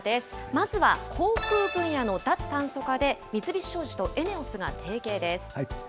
まずは航空分野の脱炭素化で、三菱商事とＥＮＥＯＳが提携です。